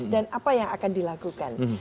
dan apa yang akan dilakukan